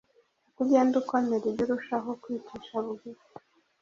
Uko ugenda ukomera, ujye urushaho kwicisha bugufi,